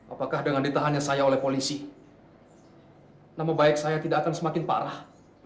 apakah dengan ditahannya saya oleh polisi nama baik saya tidak akan semakin parah